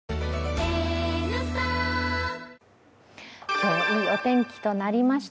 今日、いいお天気となりました。